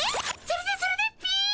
それでそれでっピィ？